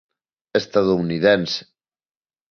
Estadounidense.